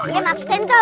iya maksudnya itu